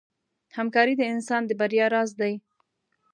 همکاري د انسان د بریا راز دی.